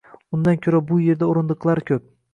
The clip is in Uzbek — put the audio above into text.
Undan ko’ra bu yerda o’rindiqlar ko’p.